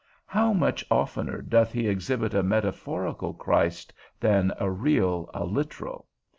How much oftener doth he exhibit a metaphorical Christ, than a real, a literal?